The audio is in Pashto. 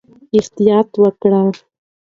خیاطی وکړئ.